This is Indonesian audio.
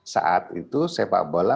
saat itu sepak bola